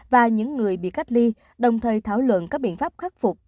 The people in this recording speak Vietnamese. và những người bị cách ly đồng thời thảo luận các biện pháp khắc phục